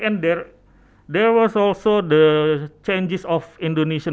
dan juga ada perubahan perangkat orang indonesia